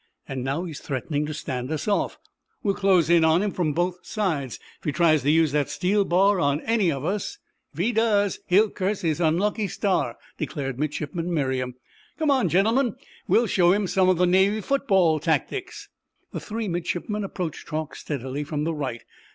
"And now he's threatening to stand us off. We'll close in on him from both sides. If he tries to use that steel bar on any of us—" "If he does, he'll curse his unlucky star," declared Midshipman Merriam. "Come on, gentlemen. We'll show him some of the Navy football tactics!" The three midshipmen approached Truax steadily from the right.